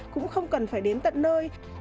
cũng không cần phải đến tận nơi